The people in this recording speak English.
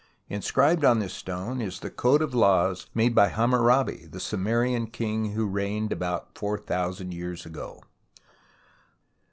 Inscribed on this stone is the code of laws made by Hammurabi, the Sumerian king who reigned about four thousand years ago.